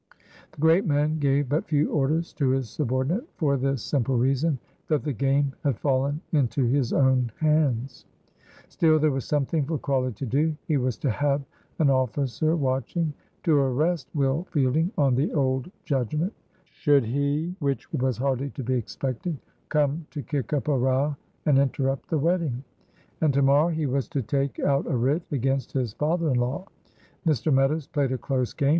The great man gave but few orders to his subordinate, for this simple reason, that the game had fallen into his own hands. Still there was something for Crawley to do. He was to have an officer watching to arrest Will Fielding on the old judgment should he, which was hardly to be expected, come to kick up a row and interrupt the wedding. And to morrow he was to take out a writ against his "father in law." Mr. Meadows played a close game.